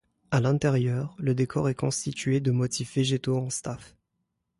À l'intérieur, le décor est constitué de motifs végétaux en staff.